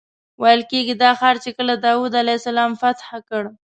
ویل کېږي دا ښار چې کله داود علیه السلام فتح کړ.